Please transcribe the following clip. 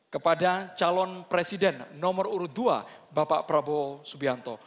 kepada calon presiden nomor urut dua bapak prabowo subianto